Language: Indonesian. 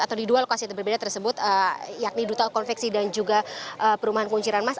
atau di dua lokasi yang berbeda tersebut yakni duta konveksi dan juga perumahan kunciran mas